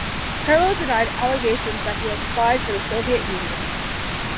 Perlo denied allegations that he had spied for the Soviet Union.